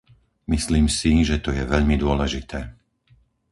Myslím si, že to je veľmi dôležité.